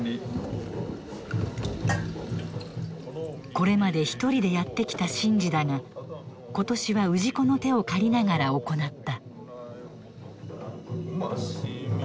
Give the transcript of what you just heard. これまで一人でやってきた神事だが今年は氏子の手を借りながら行った。